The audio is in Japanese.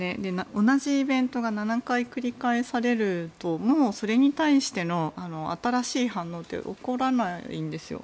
同じイベントが７回繰り返されるともうそれに対しての新しい反応って起こらないんですよ。